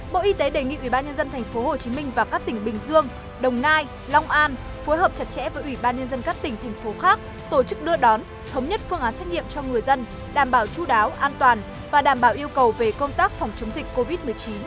bộ y tế đề nghị ubnd tp hcm và các tỉnh bình dương đồng nai long an phối hợp chặt chẽ với ủy ban nhân dân các tỉnh thành phố khác tổ chức đưa đón thống nhất phương án xét nghiệm cho người dân đảm bảo chú đáo an toàn và đảm bảo yêu cầu về công tác phòng chống dịch covid một mươi chín